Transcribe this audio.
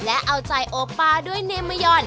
และเอาใจโอป้าด้วยเนมยอน